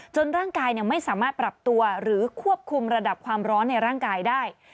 ร่างกายไม่สามารถปรับตัวหรือควบคุมระดับความร้อนในร่างกายได้